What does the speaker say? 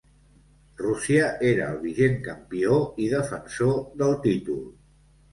Rússia era el vigent campió i defensor del títol.